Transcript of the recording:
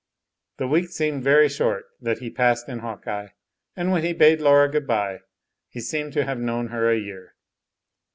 The week seemed very short that he passed in Hawkeye, and when he bade Laura good by, he seemed to have known her a year.